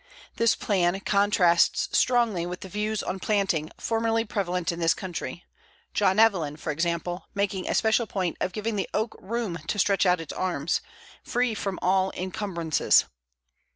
This plan contrasts strongly with the views on planting formerly prevalent in this country, John Evelyn, for example, making a special point of giving the Oak room to stretch out its arms, "free from all incumbrances."